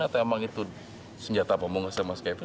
atau emang itu senjata pemungsa mas kevin